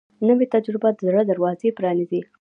نوې تجربه د زړه دروازه پرانیزي